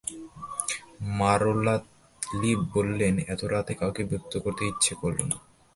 মারলা Lee বললেন, এত রাতে কাউকে বিরক্ত করতে ইচ্ছা করল না।